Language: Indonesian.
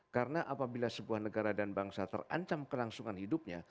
karena apabila sebuah negara dan bangsa terancam kelangsungan hidupnya